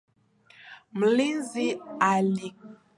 Mlinzi alikabiliana na wezi wote